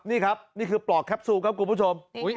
นี่ครับนี่คือปลอกแคปซูลครับคุณผู้ชม